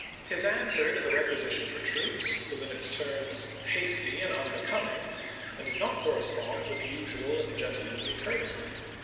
His answer to the requi sition for troops was in its terms hasty and unbecoming and does not correspond with usual and gentlemanly cour tesy.